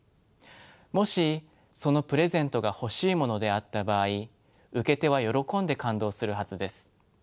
もしそのプレゼントが欲しいものであった場合受け手は喜んで感動するはずです。